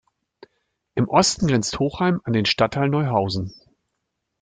Im Osten grenzt Hochheim an den Stadtteil Neuhausen.